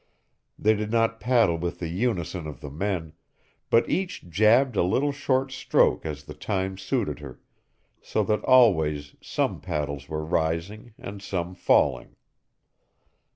They did not paddle with the unison of the men, but each jabbed a little short stroke as the time suited her, so that always some paddles were rising and some falling.